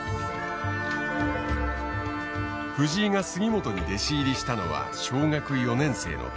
藤井が杉本に弟子入りしたのは小学４年生の時。